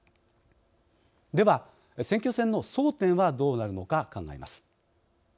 では、選挙戦の争点はどうなるのか考えます。